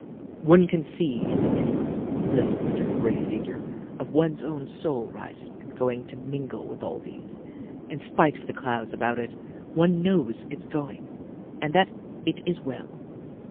"One can see in the mists the slender, gray figure of one's own soul rising and going to mingle with all these. In spite of the clouds about it, one knows its going and that it is well.